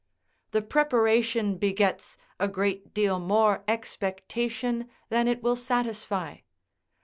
The preparation begets a great deal more expectation than it will satisfy.